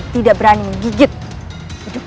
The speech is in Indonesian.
tidak berani menggigitmu